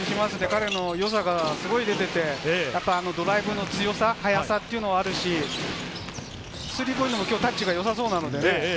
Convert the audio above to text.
彼のよさがすごく出ていて、ドライブの強さ、速さもあるし、スリーポイントを今日、タッチがよさようなのでね。